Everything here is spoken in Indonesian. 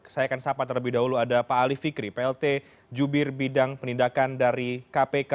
saya akan sapa terlebih dahulu ada pak ali fikri plt jubir bidang penindakan dari kpk